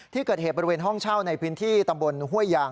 ที่เกิดเหตุบริเวณห้องเช่าในพื้นที่ตำบลห้วยยาง